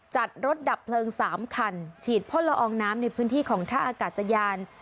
จัดรถดับเพลิง๓คันฉีดพ่นละอองน้ำในพื้นที่ของท่าอากาศยาน